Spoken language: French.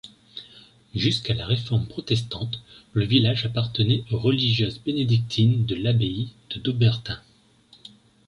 Jusqu'à la Réforme protestante, le village appartenait aux religieuses bénédictines de l'abbaye de Dobbertin.